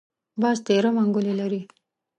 باز تېره منګولې لري